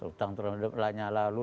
utang utang lanya lalu